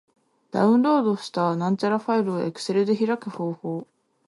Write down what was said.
ダウンロードした tsv ファイルを Excel で開く方法及び tsv ...